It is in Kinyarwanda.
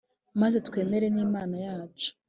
Maze twemerwe n Imana yacu